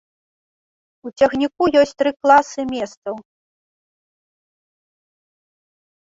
У цягніку ёсць тры класы месцаў.